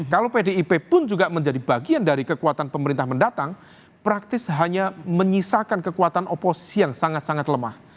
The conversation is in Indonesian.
kalau pdip pun juga menjadi bagian dari kekuatan pemerintah mendatang praktis hanya menyisakan kekuatan oposisi yang sangat sangat lemah